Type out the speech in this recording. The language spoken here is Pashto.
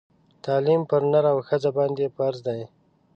تعلیم پر نر او ښځه باندي فرض دی